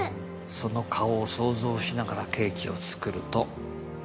その顔を想像しながらケーキを作ると